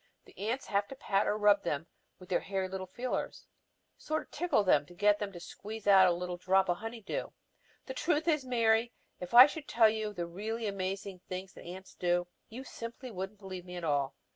The ants have to pat or rub them with their hairy little feelers; sort of tickle them to get them to squeeze out a little drop of honey dew. The truth is, Mary, if I should tell you the really amazing things that ants do, you simply wouldn't believe me at all.